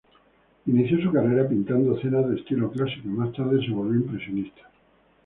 Inició su carrera pintando cenas de estilo clásico, y más tarde se volvió impresionista.